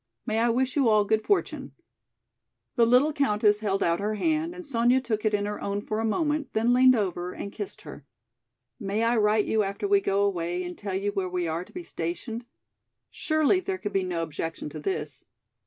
May I wish you all good fortune?" The little countess held out her hand and Sonya took it in her own for a moment and then leaned over and kissed her. "May I write you after we go away and tell you where we are to be stationed? Surely there could be no objection to this.